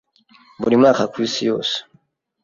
Buri mwaka, ku isi yose